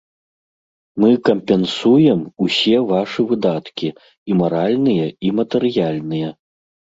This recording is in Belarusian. Мы кампенсуем усе вашы выдаткі і маральныя, і матэрыяльныя.